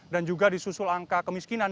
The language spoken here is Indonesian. dan juga disusul angka kemiskinan